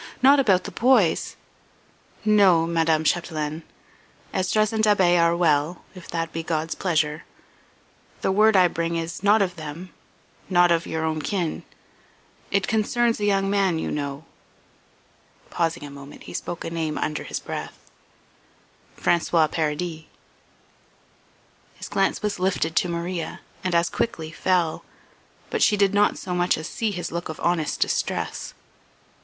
"Not about the boys?" "No, Madame Chapdelaine. Esdras and Da'Be are well, if that be God's pleasure. The word I bring is not of them not of your own kin. It concerns a young man you know." Pausing a moment he spoke a name under his breath: "François Paradis." His glance was lifted to Maria and as quickly fell, but she did not so much as see his look of honest distress.